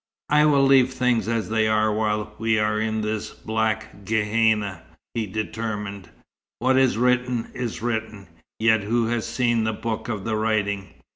"I will leave things as they are while we are in this black Gehenna," he determined. "What is written is written. Yet who has seen the book of the writing?